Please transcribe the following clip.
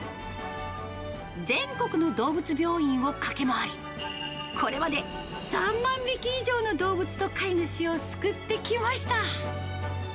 全国の動物病院を駆け回り、これまで３万匹以上の動物と飼い主を救ってきました。